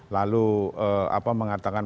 lalu apa mengatakan